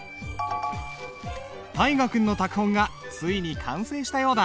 大河君の拓本がついに完成したようだ。